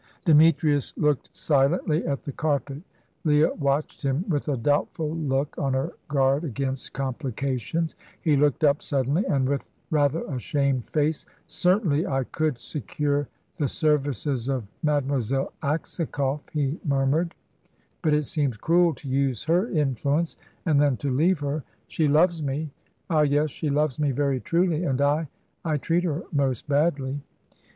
Demetrius looked silently at the carpet. Leah watched him with a doubtful look, on her guard against complications. He looked up suddenly, and with rather a shamed face. "Certainly I could secure the services of Mademoiselle Aksakoff," he murmured; "but it seems cruel to use her influence and then to leave her. She loves me. Ah, yes, she loves me very truly, and I I treat her most badly."